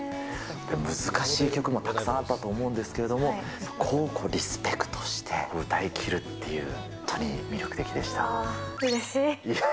難しい曲もたくさんあったと思うんですけれども、そこをリスペクトして歌い切るっていう、本当に魅力的でした。